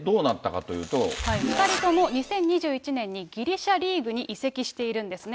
２人とも２０２１年にギリシャリーグに移籍しているんですね。